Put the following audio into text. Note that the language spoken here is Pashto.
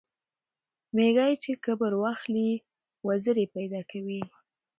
ـ ميږى چې کبر واخلي وزرې پېدا کوي.